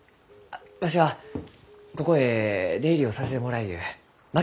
わしはここへ出入りをさせてもらいゆう槙野万太郎と申します。